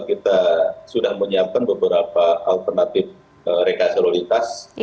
kita sudah menyiapkan beberapa alternatif reka seluruh lintas